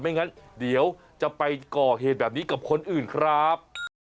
งั้นเดี๋ยวจะไปก่อเหตุแบบนี้กับคนอื่นครับ